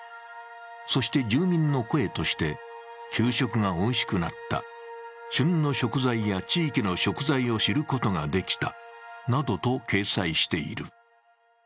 そして住民の声として、給食がおいしくなった、旬の食材や地域の食材を知ることができたなどと掲載している。